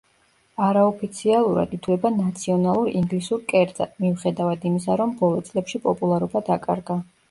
არაოფიციალურად, ითვლება ნაციონალურ ინგლისურ კერძად, მიუხედავად იმისა, რომ ბოლო წლებში პოპულარობა დაკარგა.